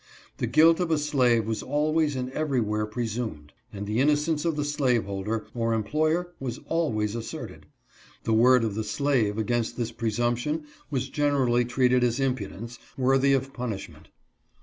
The guilt of a slave was always and everywhere presumed, and the innocence of the slaveholder, or employer, was always asserted. The word of the slave against this presumption was generally treated as impudence, worthy of punish ment.